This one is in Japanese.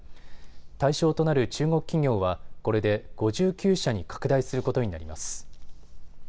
対象となる中国企業はこれで５９社に拡大することになります。